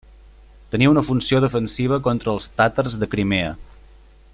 Tenia una funció defensiva contra els tàtars de Crimea.